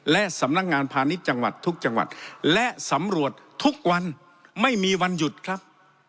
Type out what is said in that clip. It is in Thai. และสำนักงานพาณิชย์จังหวัดทุกจังหวัดและสำรวจทุกวันไม่มีวันหยุดครับ